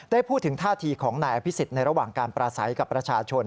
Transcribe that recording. พูดถึงท่าทีของนายอภิษฎในระหว่างการปราศัยกับประชาชน